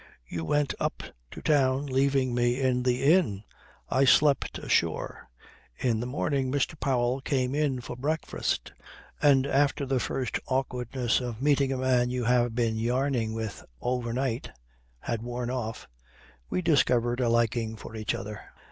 You went up to town leaving me in the inn. I slept ashore. In the morning Mr. Powell came in for breakfast; and after the first awkwardness of meeting a man you have been yarning with over night had worn off, we discovered a liking for each other."